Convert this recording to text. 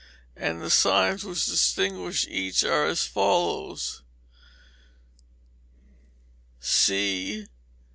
And the signs which distinguish each are as follows: c.